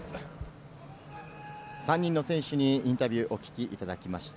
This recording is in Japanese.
３人の選手のインタビューをお聞きいただきました。